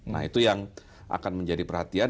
nah itu yang akan menjadi perhatian